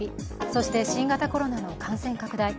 そして、新型コロナの感染拡大。